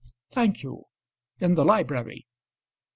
thank you; in the library."